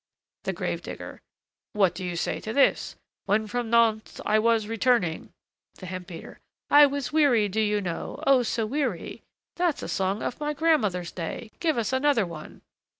THE GRAVE DIGGER. What do you say to this: "When from Nantes I was returning " THE HEMP BEATER. "I was weary, do you know! oh! so weary." That's a song of my grandmother's day. Give us another one.